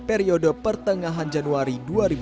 periode pertengahan januari dua ribu dua puluh